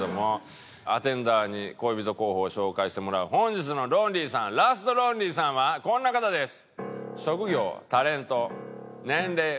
アテンダーに恋人候補を紹介してもらう本日のロンリーさんラストロンリーさんはこんな方です。